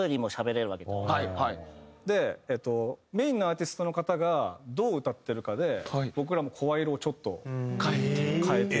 でメインのアーティストの方がどう歌ってるかで僕らも声色をちょっと変えて。